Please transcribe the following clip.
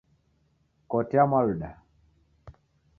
Kotea Mwaluda